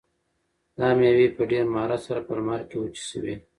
دا مېوې په ډېر مهارت سره په لمر کې وچې شوي.